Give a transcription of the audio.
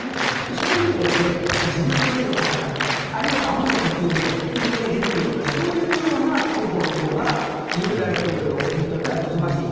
そういう意味では自分の息のかかったあるいは、あうんの呼吸で運営できるような候補のほうが尹大統領にとっては望ましい。